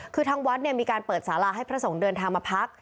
คือทั้งวัดเนี่ยมีการเปิดสาราให้พระส่งเดินทางมาพัก